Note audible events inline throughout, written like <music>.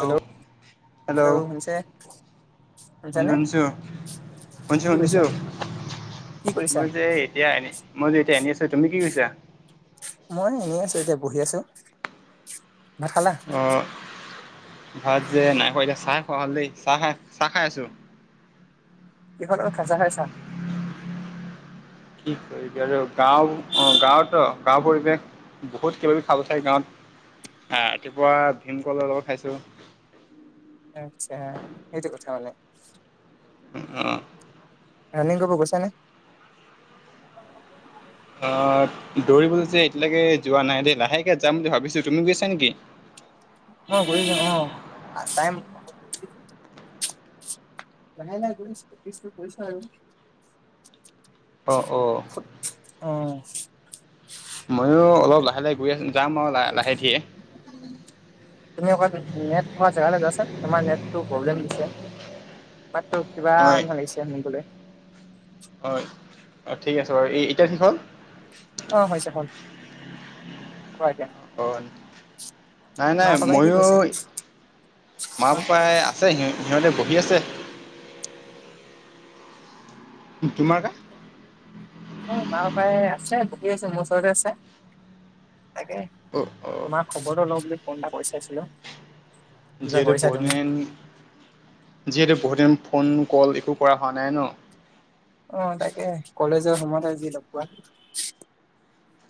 Hello hello hello শুনিছে শুনিছানে শুনিছোঁ শুনিছোঁ শুনিছোঁ কি কৰিছা শুনিছোঁ। কি কৰিছা মই যে এতিয়া এনি মই যে এতিয়া এনি আছো তুমি কি কৈছা। মই এনেই আছো এতিয়া বহি আছো। ভাত খালা অ ভাত যে নাই খোৱা, এতিয়া চাহ খোৱা ভাল দেই, চাহ খাই, চাহ খাই আছো। এইখনত খাচা খাইছা? কি কৰিবি এতিয়া আৰু গাঁও অ গাঁৱতো গাও পৰিৱেশ বহুত কিবি খাব চাই গাঁৱত আহ, ৰাতিপুৱা ভীমকল অলপ খাইছো। আচ্ছা সেইটো কথা মানে আহ ৰানিং কৰিব গৈছা নে? আহ দৌৰিবলৈ যে এতিয়ালৈকে যোৱা নাই দেই লাহেকে যাম বুলি ভাবিছো তুমি গৈ আছা নেকি? অ কৰিছো অ টাইম। বনাই বনাই গৈ আছোঁ পিছতো কৰিছোঁ আৰু অ অঁ অ ময়ো অলপ লাহে লাহে গৈ আছ যাম আৰু লাহে ধীৰে তুমি অকল জেগালৈ যোৱাচোন তোমাৰ নেটটো প্ৰব্লেম দিছোতো কিবা হয় লাগিছে শুনিবলৈ হয় অ ঠিক আছে বাৰু এই এতিয়া কি হল? আহ হৈছে ভাল অ নাই নাই মা পাপাই কি মইয়ো কৈছে মা পাপাই আছে সিহঁ সিহঁতে বহি আছে। তোমাৰ কা উ মাৰ পায় আছে। বহি আছো মোৰ ওচৰতে আছে তাকে অ অ তোমাৰ খবৰটো ল‌ও বুলি ফোন এটা কৰি চাইছিলো, কিবা কৰিছা তুমি? যিহেতু বহুতদিন ফোন কল একো কৰা হোৱা নাই ন আহ তাকে কলেজৰ সময়ত যি লগ পোৱা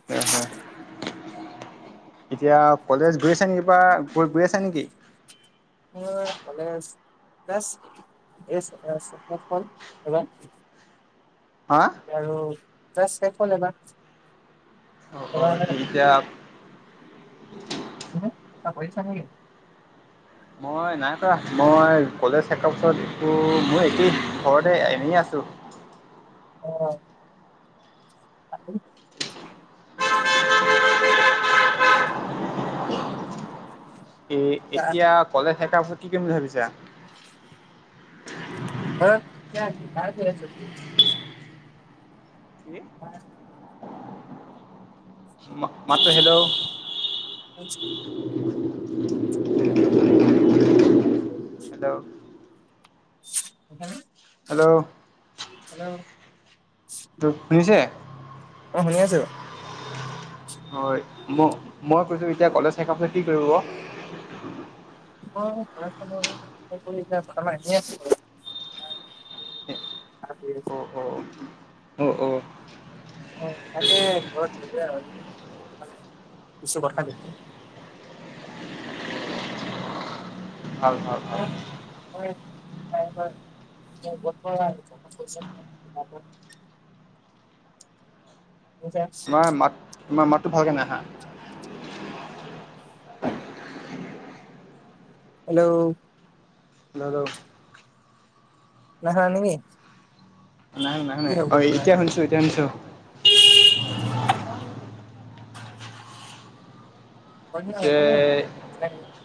হয় হয়। এতিয়া কলেজ গৈ আছে নেকি বা গৈ গৈ আছ নেকি? এচ টু ফৰ চেভেন হা আৰু শেষ হল এবাৰ অঁ তেতিকয়া এটা পইচা নাই? মই নাই কৰা মই কলেজ শেষ হোৱা পাছত মই একেই ঘৰতে এনেই আছো <unintelligible> অ <unintelligible> এ এতিয়া কলেজ শেষ বাৰ ফত কি কৰিম বুলি ভাবিছা <unintelligible> <unintelligible> মাত-মাতো হেল্ল' <unintelligible> <unintelligible> হেল্ল' হেল্ল' ত শুনিছে অ শুনি আছো হয় ম মই কৈছো এতিয়া কলেজ শেষ পাছত কি কৰিব মই বৰ্তমান এনেই আছোঁ বাৰু <unintelligible> কৰি আছ অঁ অঁ অ তাকে ঘৰত কিছু কথা নেকি ভাল-ভাল-ভাল হয় টাইমপাছ গৰ <unintelligible> <unintelligible> তোমাৰ মাত তোমাৰ মাতটো ভালকে নাই অহা হেল্ল' দদৌ নাহা নেকি নাই শুনা কি নাই হ'ব শুনা অ তোমাৰ এতিয়া শুনিছো এতিয়া শুনিছো পিছে <unintelligible>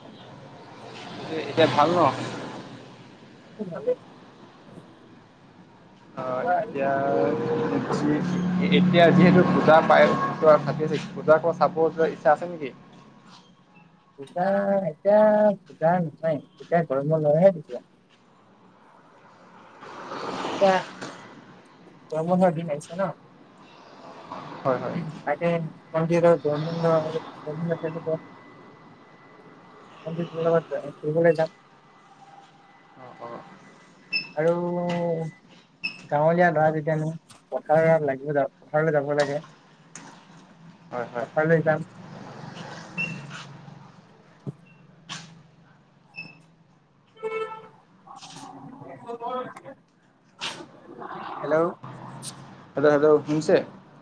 এতিয়া ভাল ন উম ভালেই অ এতিয়া এতিয়া যিহেতু পূজা পায় থাকি পূজা চাব যোৱাৰ ইচ্ছা আছে নেকি <unintelligible> পূজা এতিয়া পূজা নহয় এতিয়া গৰম বন্ধ এতিয়া এতিয়া গৰম বন্ধৰ দিন আহিছে ন হয় হয় তাকে জ <unintelligible> এম জি জিন্দাবাদ আমি ফুৰিবলৈ যাম অ' অ' আৰু গাঁৱলীয়া লৰা যেতিয়ানো পথাৰ লাগিব যা পথাৰলৈ যাব লাগে হয় হয় পথাৰলে যাম <unintelligible> হেল্ল' হেল্ল, হেল্ল, শুনিছে?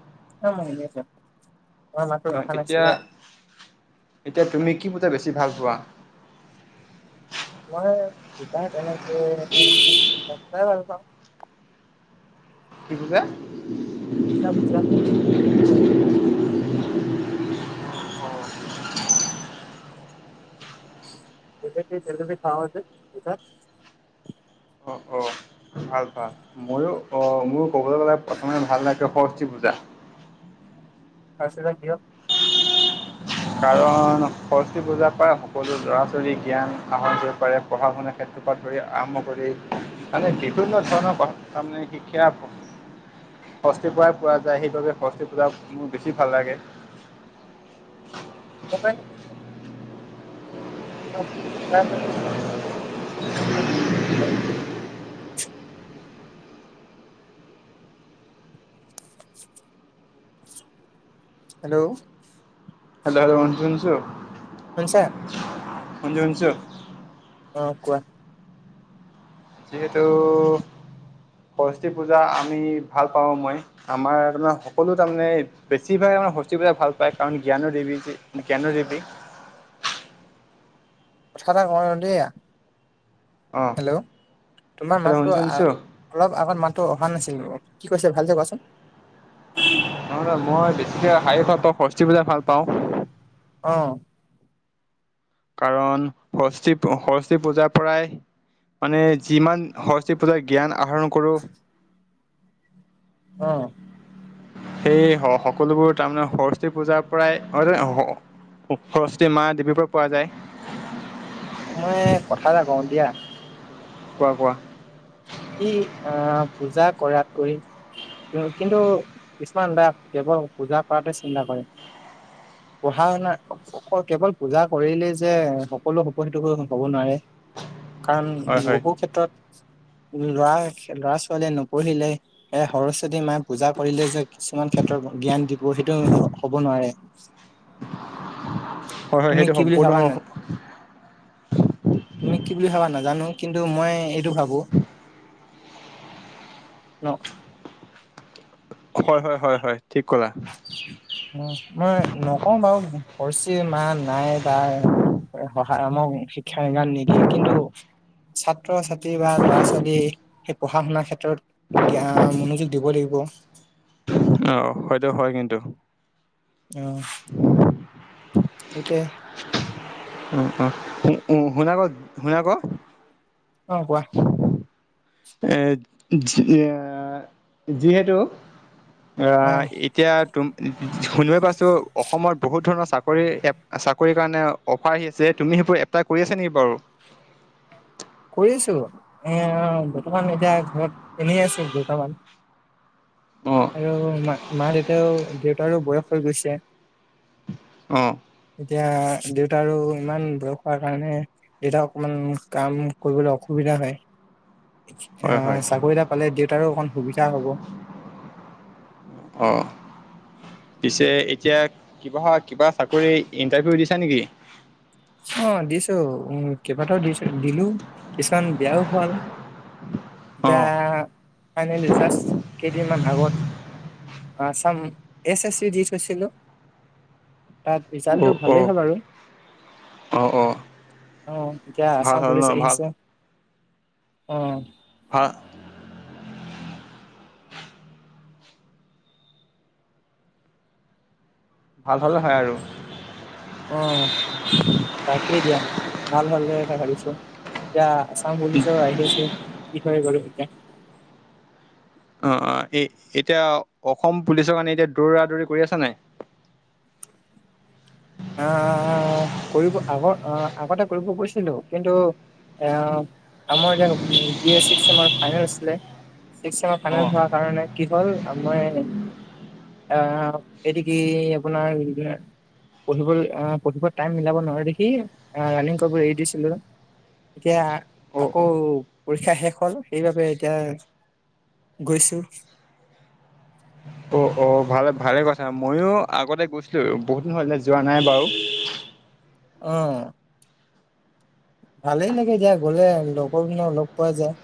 <unintelligible> নাছিলে এতিয়া-এতিয়া তুমি কি বেছি ভাল পোৱা? মই তেনেকে ভাল পাওঁ কি পূজা এ পূজা পূজা জেলেপি চেলেপি খাওঁ যে পূজাত অ', অ', ভাল ভাল ময়ো অ ময়ো কবলৈ গ'লে প্ৰথমে ভাল লাগে সৰস্বতী পূজা খছ কিয় কাৰণ সৰস্বতী পূজাৰ পৰা সকলো ল'ৰা ছোৱালী জ্ঞান আহৰ কৰিব পাৰে। পঢ়া শুনাৰ ক্ষেত্ৰৰ পৰা ধৰি আৰম্ভ কৰি মানে বিভিন্ন ধৰণৰ ক তাৰমানে শিক্ষা সৰস্বতী পূজাই পোৱা যায় সেইবাবে সৰস্বতী পূজা মোৰ বেছি ভাল লাগে। অ হয় নেকি <unintelligible> <unintelligible> হেল্ল' হেল্ল হ শুনছো শুনছো শুনিছা শুনছো শুনছো অ, কোৱা? যিহেতু। সৰস্বতী পূজা আমি ভাল পাওঁ মই। আমাৰ তাৰমানে সকলো তাৰমানে বেছিভাগ হস্তীবিলাক ভাল পায়, কাৰণ জ্ঞানৰ দেৱী যে, জ্ঞানৰ দেৱী। কথা এটা কওঁ দিয়া? অ'। হেল্ল'। তোমাৰ শুন মাতটো আ শুনছো অলপ আগত মাতটো। ভাল নাছিলো, কি কৈছে ভাল চে কোৱাচোন? নহয় নহয়। মই বেছিকে সেই ভাল পাওঁ সস্বতি পূজা ভাল পাওঁ। অ কাৰণ সৰসী সৰস্বী পূজাৰ পৰাই মানে। যিমান সৰস্বতী পূজাৰ জ্ঞান আহৰণ কৰোঁ। অ সেই হ সকলোবোৰ তাৰমানে সৰস্বতী পূজাৰ পৰাই। হয় নই। সৰস্বতী মাহ দেৱীৰ পৰা পোৱা যায়। মই কথা এটা কওঁ দিয়া। কোৱা কোৱা? সি আহ পূজা কৰাতকৈ কিন্তু কিছুমান লৰা কেৱল পূজা কৰাতে চিন্তা কৰে। পঢ়া শুনা কেৱল পূজা কৰিলেই যে সকলো সুফলিত হব নোৱাৰে। <unintelligible> কাৰণ হয় হয় বহু ক্ষেত্ৰত। লৰা ল'ৰা ছোৱালীয়ে নপঢ়িলে এ সৰস্বতী মায় পূজা কৰিলে যে কিছুমান ক্ষেত্ৰত জ্ঞান দিব সেইটো হ'ব নোৱাৰে। হয় হয় তুমি সেইটো কি বুলি সম্পূৰ্ণ ভাবা <inaudible> না তুমি কি বুলি ভাবা নাজানো। কিন্তু মই এইটো ভাবো ন হয় হয় হয় হয় ঠিক কলা। উম, মই নকওঁ বাৰু পৰচি মা নাই বা অ সহায় আমাৰ খিয়মান নিদিয়ে কিন্তু ছাত্ৰ-ছাত্ৰী বা ল'ৰা- ছোৱালীয়ে সেই পঢ়া শুনাৰ ক্ষেত্ৰত জ্ঞান মনোযোগ দিব লাগিব। আহ, সেটো হয় কিন্তু আহ, সেইটোয়ে উম উ উম শুনা ক শুনা ক অ কোৱা এ আহ যিহেতু অ, অ এতিয়া তুম শুনিব পাইছোঁ, অসমত বহুত ধৰণৰ চাকৰি চাকৰি-চাকৰি কাৰণে অফাৰ আহি আছে, তুমি সেইবোৰ এপ্লাই কৰি আছা নি বাৰু <unintelligible> কৰিছো। এ বৰ্তমান এতিয়া ঘৰত এনে আছো বৰ্তমান। অ', আৰু মা মা দেউতাও দেউতাৰো বয়স হৈ গৈছে। অ', এতিয়া দেউতা আৰু ইমান বয়সহোৱাৰ কাৰণে। যেতিয়া অকমান কাম কৰিবলৈ অসুবিধা হয়। এহ হয়, হয়, চাকৰি এটা পালে দেউতাৰো অকণ সুবিধা হ'ব। অহ। পিছে এতিয়া, কিবা-কিবা চাকৰি ইন্টাৰভিউ দিছা নেকি? অ দিছো উ কেইবাটাও দিছো দিলো। কিছুমান বেয়াও ভাল। <unintelligible> এতিয়া ফাইনেলি জাষ্ট কেইদিনমান আগত। আচাম এছ-এছ-চি-দি থৈছিলো তাত ৰিজাল্টটো অ', ভালেই অ', হ'ল আৰু। অ', অ', অহ এতিয়া ভাল আসাম হ'ল ন পুলিচ ভাল আহিছে। অ। ভাল ভাল হলে হয় আৰু। অ তাকেই দিয়া। ভাল ভালকে এটা ভাবিছো। দিয়া। অ বুলিছ আহি আছে। কি ভয় কৰে তেতিয়া। অ অ। এ এতিয়া অসম পুলিচৰ কাৰণে এতিয়া দৌৰা দৌৰি কৰি আছা নাই? <inaudible> আহ কৰিব আগ আহ আগতে কৰিব গৈছিলো কিন্তু। আহ আমাৰ এতিয়া বি এ ছিক্স চেমৰ ফাইনেল আছিলে। চিক্স চেয়াৰ ফাইনেল অ', হোৱাৰ কাৰণে কি হল মই আহ এইটো কি আপোনাৰ সিদিনা পঢ়িবলৈ পঢ়িব টাইম মিলাব নোৱাৰে দেখি ৰানিং কৰিব এৰি দিছিলো। এতিয়া অ', আকৌ পৰীক্ষা শেষ হ'ল। সেইবাবে এতিয়া গৈছোঁ উ <inaudible> অ অ ভালে ভালে কথা ময়ো আগতে গৈছিলো। বহুত দিন হল যোৱা নাই বাও। উ <inaudible> অ। ভালেই লাগে দিয়া গলে লগৰখিনিও লগ পোৱা যায়।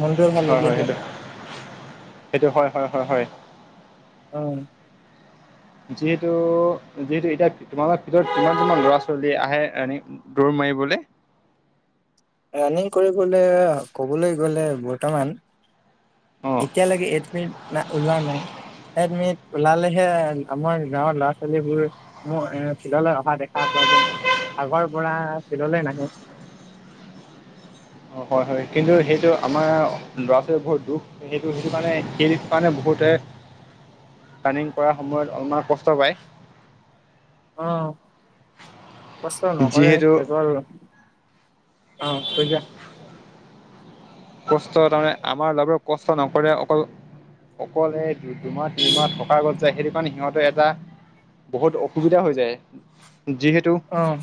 মনটোয়ে ভাল হয় লাগি হয় আহে। সেইটো সেইটো হয় হয় হয় হয় অ। যিহেতু যিহেতু এতিয়া তোমালোকৰ ভিতৰত কিমান কিমান ল'ৰা ছোৱালী আহে এনে দৌৰ মাৰিবলৈ? কি বুলে ৰানিং কৰিবলে ক'বলৈ গ'লে বৰ্তমান। অ এতিয়ালৈাকে এডমিত না ওলোৱা নাই। এডমিত ওলালেহে আমাৰ গাঁৱৰ ল'ৰা ছোৱালীবোৰ মোৰ এ ফিল্ডলৈ অহা দেখা পোৱা যায়। আগৰ পৰা ফিল্ডলৈ নাহে। <inaudible> অ, হয়-হয়, কিন্তু সেইটো আমাৰ ল'ৰা ছোৱালীৰ বহুত দুখ সেইটো-সেইটো কাৰণে, সেই দিশ কাৰণে বহুতে ৰাণিং কৰাৰ সময়ত, অলপমান কষ্ট পায়। আহ কষ্ট নকৰে, যিহেতু কেৱল অ থই দিয়া। কষ্ট তাৰমানে, আমাৰ বাবেও কষ্ট নকৰে, অকল অকলে দু-দুমাহ, তিনিমাহ থকা গত যায়, সেইটো কাৰণে সিহঁতে এটা বহুত অসুবিধা হৈ যায়। যিহেতু আহ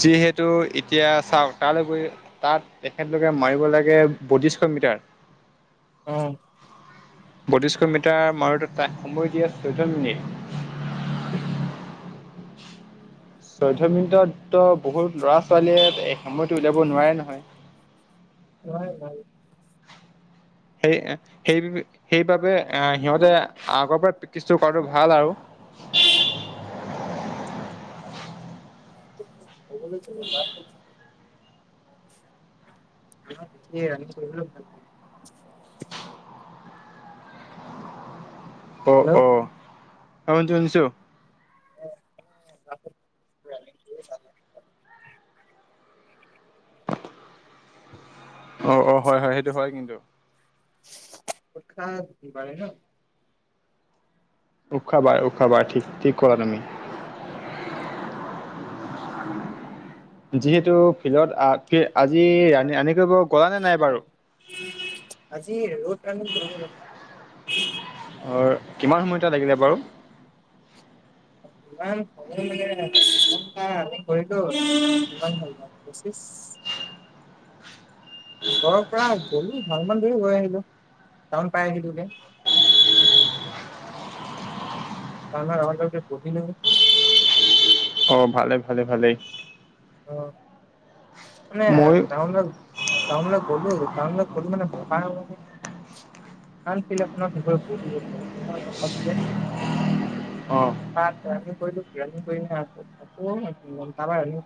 যিহেতু এতিয়া চাওক তালৈ গৈ তাত তেখেতলোকে মাৰিব লাগে বডিষ্ট। মিটাৰ অ। বত্ৰিশ মিটাৰ মাৰোতে, তাক সময় দিয়ে চৈধ্য মিনিট। চৈধ্য মিনিটত তো বহুত ল'ৰা ছোৱালীয়ে, এই সময়তো উলিয়াব নোৱাৰে নহয়। উ <unintelligible> হয় হয়। সেই-সেই, সেইবাবে সিহঁতে আগৰ পৰা প্ৰেক্টিচটো কৰাটো ভাল আৰু উ <unintelligible> <unintelligible> অ' অ'। অ' শুনিছোঁ শুনিছোঁ। <unintelligible> অ' অ', হয় হয়, সেইটো হয় কিন্তু। <unintelligible> উখাবা উখাবা ঠিক - ঠিক কৰা তুমি। <inaudible> যিহেতু ফিল্ডত আ - কি - আজি ৰানি - ৰানিং কৰিব গলা নে নাই বাৰু? আজি ৰড ৰানিং কৰিব যাম। উ। অৰ কিমান সময় তাত লাগিলে বাৰু? <unintelligible> <unintelligible> ওচৰৰ পৰা গ'লো ভাল মান দেৰি গৈ আহিলোঁ। টাউন পাই আহিলোঁ গে। <unintelligible> অ' ভালে ভালে ভালেই। অ'। মানে মই টাউনলে -টাউনলে গ'লো, টাউনলে গ'লো মানে <unintelligible> <unintelligible> অ তাত ৰানিং কৰিলোঁ, ৰানিং কৰি <unintelligible>